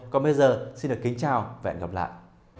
còn bây giờ xin được kính chào và hẹn gặp lại